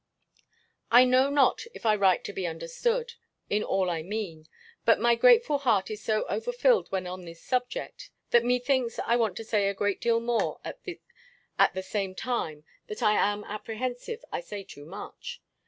I know not if I write to be understood, in all I mean; but my grateful heart is so over filled when on this subject, that methinks I want to say a great deal more at the same time that I am apprehensive I say too much.